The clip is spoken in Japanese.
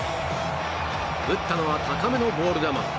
打ったのは、高めのボール球。